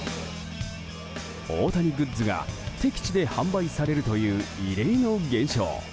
大谷グッズが敵地で販売されるという異例の現象。